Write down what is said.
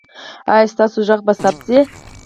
ایا ستاسو غږ به ثبت شي؟